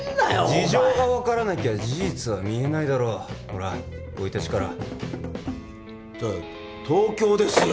事情が分からなきゃ事実は見えないだろうほら生い立ちからと東京ですよ